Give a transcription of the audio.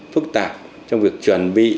phức tạp trong việc chuẩn bị